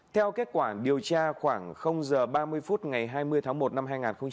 theo kết quả điều tra khoảng giờ ba mươi phút ngày hai mươi tháng một năm hai nghìn hai mươi